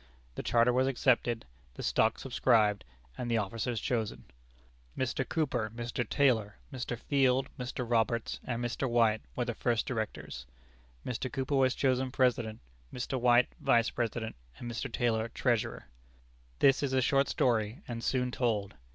The charter was accepted, the stock subscribed, and the officers chosen. Mr. Cooper, Mr. Taylor, Mr. Field, Mr. Roberts, and Mr. White were the first directors. Mr. Cooper was chosen President, Mr. White, Vice President, and Mr. Taylor, Treasurer. This is a short story, and soon told.